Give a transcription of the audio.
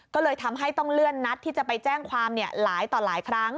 ก็เลยทำให้ต้องเลื่อนนัดที่จะไปแจ้งความหลายต่อหลายครั้ง